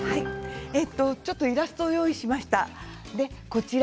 イラストを用意しました。